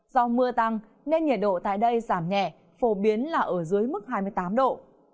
do mưa tăng nên nhiệt độ tại đây giảm nhẹ phổ biến là ở dưới mức hai mươi tám độ